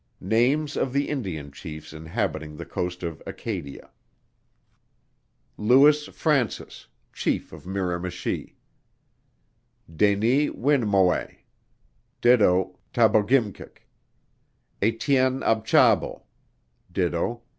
Names of the Indian Chiefs inhabiting the coast of Acadia: Louis Frances, Chief of Miramichi, Denis Winemowet, do. Tabogimkik, Etienne Abchabo, do.